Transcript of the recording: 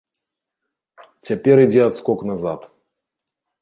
Цяпер ідзе адскок назад.